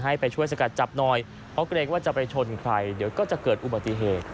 ให้ไปช่วยสกัดจับหน่อยเพราะเกรงว่าจะไปชนใครเดี๋ยวก็จะเกิดอุบัติเหตุ